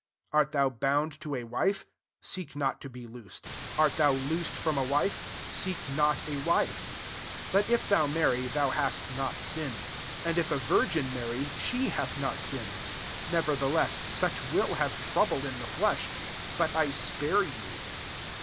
27 Art thou bound to a wife ? :ek not to be loosed. Art thou osed from a wife? seek not wife* 28 But if thou marry, K>u bast not sinned : and if a irg^ marry, she hath not nned. Nevertheless, such will live trouble in the flesh: but spare you.